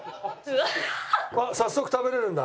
うわっ早速食べれるんだ。